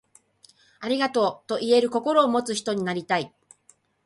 ありがとう、と言える心を持つ人になりたい。